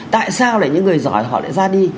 tại sao để những người giỏi họ lại ra đi